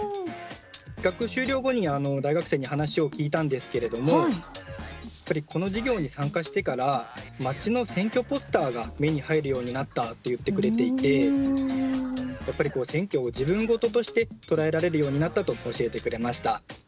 企画終了後に大学生に話を聞いたんですけれどもこの授業に参加してから町の選挙ポスターが目に入るようになったって言ってくれていてやっぱり選挙を自分ごととして捉えられるようになったと教えてくれました。